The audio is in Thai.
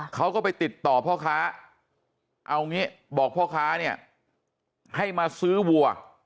เขาก็ไปติดต่อพ่อค้าเอางี้บอกพ่อค้าเนี่ยให้มาซื้อวัว